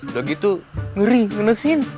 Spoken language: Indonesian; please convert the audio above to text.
udah gitu ngeri ngenesin